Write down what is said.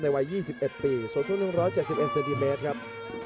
ในวัย๒๑ปีสู้สู้๑๗๑เซนติเมตรครับ